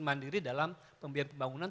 mandiri dalam pembiayaan pembangunan